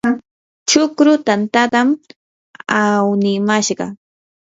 chukru tantatam awnimashqa.